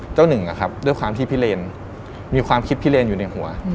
หนึ่งด้วยความที่พี่เลนมีความคิดพิเลนอยู่ในหัว